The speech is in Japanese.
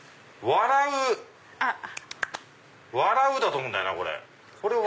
「笑う」だと思うんだよなこれ。